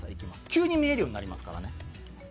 急に見えるようになりますからね。